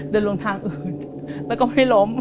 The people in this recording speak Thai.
เดินลงทางอื่นแล้วก็ไม่ล้ม